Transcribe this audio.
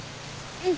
うん。